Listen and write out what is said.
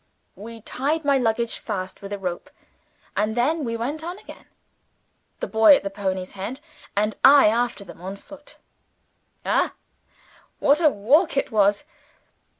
We tied my luggage fast with a rope; and then we went on again, the boy at the pony's head, and I after them on foot. Ah, what a walk it was!